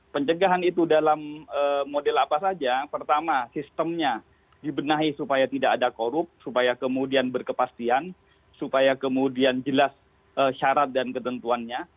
pencegahan itu dalam model apa saja pertama sistemnya dibenahi supaya tidak ada korup supaya kemudian berkepastian supaya kemudian jelas syarat dan ketentuannya